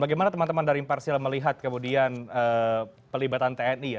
bagaimana teman teman dari imparsial melihat kemudian pelibatan tni ya